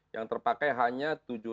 yang terpakai hanya tujuh ratus enam puluh